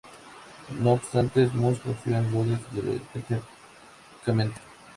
No obstante, Smuts confió en Rhodes tácitamente.